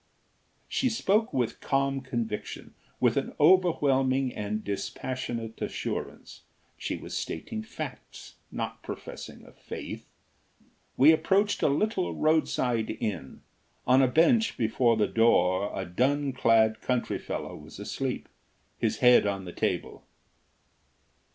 She spoke with calm conviction; with an overwhelming and dispassionate assurance. She was stating facts; not professing a faith. We approached a little roadside inn. On a bench before the door a dun clad country fellow was asleep, his head on the table.